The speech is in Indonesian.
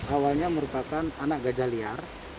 awalnya merupakan anak gajah liar